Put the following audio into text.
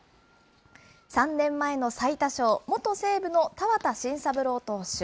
３年前の最多勝、元西武の多和田真三郎投手。